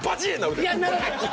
いやならない。